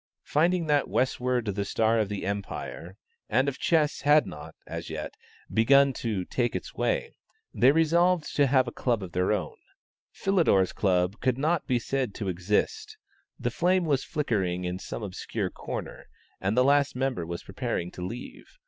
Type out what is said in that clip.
Finding that "westward the star of empire" and of chess had not, as yet, begun to "take its way," they resolved to have a Club of their own. Philidor's Club could not be said to exist; the flame was flickering in some obscure corner, and the last member was preparing to leave.